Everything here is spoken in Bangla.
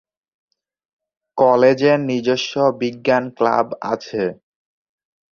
কলেজের নিজস্ব বিজ্ঞান ক্লাব আছে।